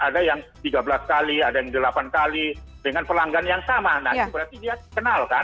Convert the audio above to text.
ada yang tiga belas kali ada yang delapan kali dengan pelanggan yang sama nah berarti dia kenal kan